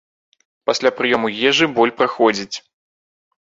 Пасля прыёму ежы боль праходзіць.